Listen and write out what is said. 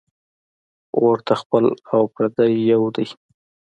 اور ته خپل او پردي یو دي